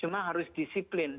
cuma harus disiplin